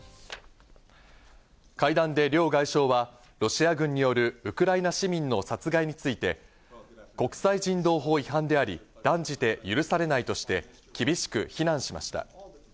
会談で両外相はロシア軍によるウクライナ市民の殺害について、国際人道法違反であり、断じて許されないとして、厳しく非難しました。